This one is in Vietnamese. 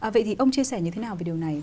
vậy thì ông chia sẻ như thế nào về điều này